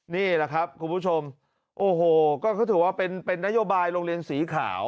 นี่แหละครับคุณผู้ชมโอ้โหก็เขาถือว่าเป็นนโยบายโรงเรียนสีขาว